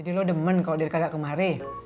jadi lo demen kok dari kakak kemari